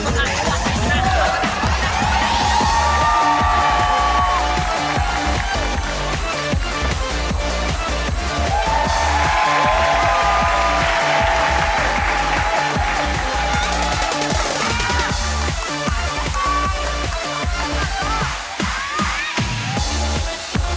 โอ้โฮ